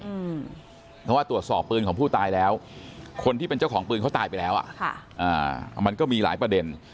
เพราะว่าตรวจสอบปืนของผู้ตายแล้วคนที่เป็นเจ้าของปืนเขาตายไปแล้วอ่ะค่ะอ่ามันก็มีหลายประเด็น